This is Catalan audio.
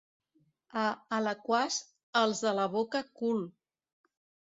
A Alaquàs, els de la boca cul.